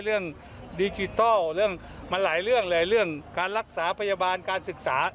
เรื่องดิจิทัลเรื่องมันหลายเรื่องเลยเรื่องการรักษาพยาบาลการศึกษา